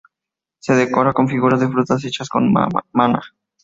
Se decora con figuras de frutas hechas con maná.